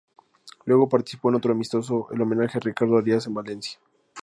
Luego participó en otro amistoso, el homenaje a Ricardo Arias en Valencia.